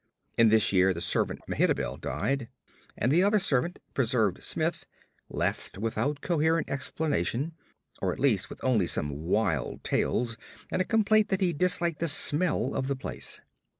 In this year the servant Mehitabel died, and the other servant, Preserved Smith, left without coherent explanation or at least, with only some wild tales and a complaint that he disliked the smell of the place.